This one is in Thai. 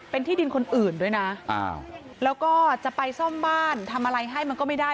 เป็นที่ดินคนอื่นด้วยนะแล้วก็จะไปซ่อมบ้านทำอะไรให้มันก็ไม่ได้